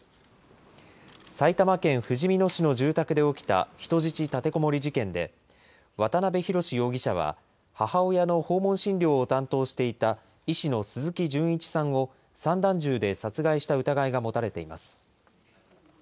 埼玉県ふじみ野市の住宅で起きた人質立てこもり事件で、渡邊宏容疑者は、母親の訪問診療を担当していた医師の鈴木純一さんを散弾銃で殺害した疑いが持たれています。